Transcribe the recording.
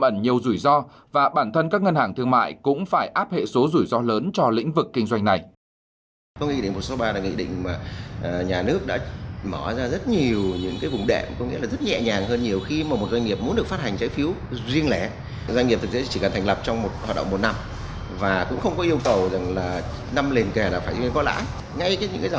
nhiều rủi ro và bản thân các ngân hàng thương mại cũng phải áp hệ số rủi ro lớn cho lĩnh vực kinh doanh này